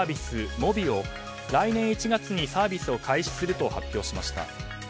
ｍｏｂｉを来年１月にサービスを開始すると発表しました。